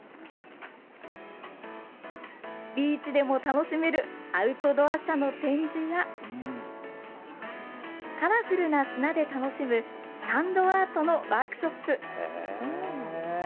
ビーチでも楽しめるアウトドア車の展示や、カラフルな砂で楽しむ、サンドアートのワークショップ。